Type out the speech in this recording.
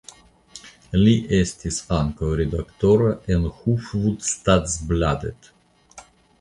Li estis ankaŭ redaktoro en Hufvudstadsbladet.